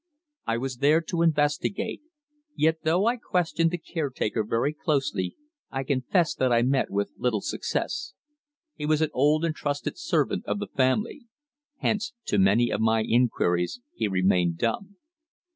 I was there to investigate. Yet though I questioned the caretaker very closely, I confess that I met with little success. He was an old and trusted servant of the family. Hence to many of my inquiries he remained dumb.